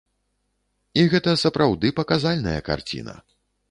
І гэта сапраўды паказальная карціна.